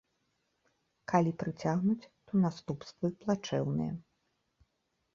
Калі прыцягнуць, то наступствы плачэўныя.